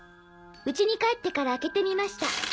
家に帰ってから開けてみました